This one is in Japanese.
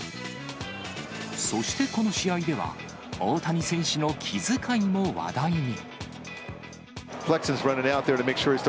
そしてこの試合では、大谷選手の気遣いも話題に。